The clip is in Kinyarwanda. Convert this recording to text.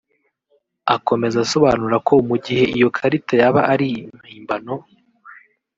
Akomeza asobanura ko mu gihe iyo karita yaba ari impimbano